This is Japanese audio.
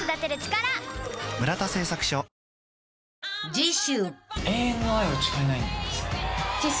［次週］